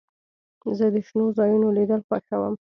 زه د شنو ځایونو لیدل خوښوم.